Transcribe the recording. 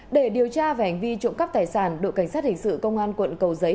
để điều tra về hành vi trộm cắp tài sản đội cảnh sát hình sự công an quận cầu giấy